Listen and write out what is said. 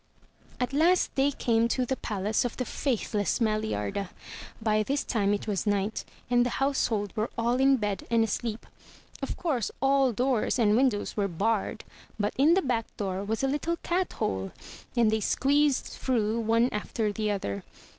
At last they came to the palace of the faithless Maliarda. By this time it was night, and the household were all in bed and asleep. Of course all doors and windows were barred; but in the back door was a little cat hole; and they squeezed through one after the other.